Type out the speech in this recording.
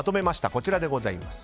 こちらです。